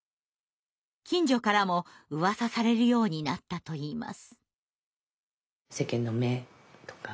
近所からもうわさされるようになったといいます。